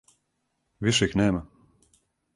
Више их нема.